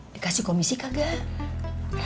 dikasih komisi kagak